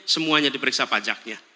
semuanya diperiksa pajaknya